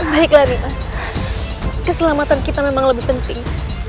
baiklah rimas keselamatan kita memang lebih penting